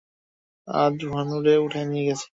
আজ ভানুরে উঠায় নিয়ে গেছে।